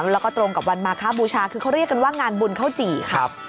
แล้วก็ตรงกับวันมาคบูชาคือเขาเรียกกันว่างานบุญข้าวจี่ค่ะ